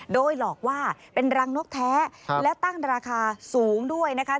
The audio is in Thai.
โดยหลอกว่าเป็นรังนกแท้และตั้งราคาสูงด้วยนะคะ